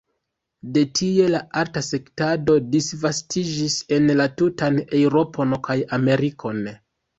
De tie la arta sketado disvastiĝis en la tutan Eŭropon kaj Amerikon.